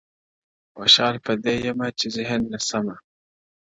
• خوشحال په دې يم چي ذهين نه سمه؛